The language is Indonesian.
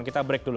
kita break dulu